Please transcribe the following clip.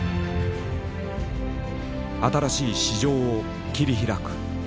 「新しい市場を切り開く」。